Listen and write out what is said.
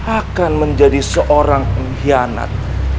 akan menjadi seorang hianat